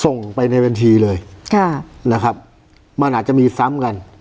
ส่งไปในบัญชีเลยค่ะนะครับมันอาจจะมีซ้ำกัน